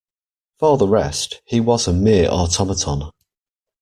For the rest, he was a mere automaton.